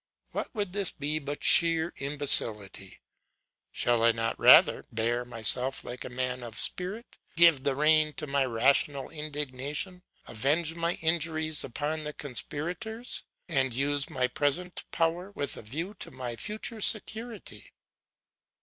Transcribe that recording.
What would this be but sheer imbecility? Shall I not rather bear myself like a man of spirit, give the rein to my rational indignation, avenge my injuries upon the conspirators, and use my present power with a view to my future security?